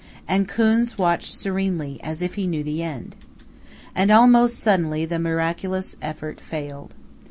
And Khuns watched serenely, as if he knew the end. And almost suddenly the miraculous effort failed.